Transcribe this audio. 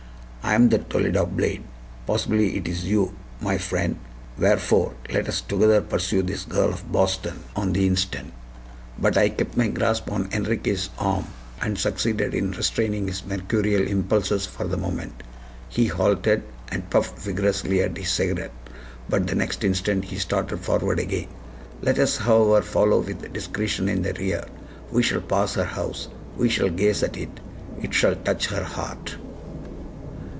I am that Toledo blade possibly it is you, my friend. Wherefore, let us together pursue this girl of Boston on the instant." But I kept my grasp on Enriquez' arm, and succeeded in restraining his mercurial impulses for the moment. He halted, and puffed vigorously at his cigarette; but the next instant he started forward again. "Let us, however, follow with discretion in the rear; we shall pass her house; we shall gaze at it; it shall touch her heart."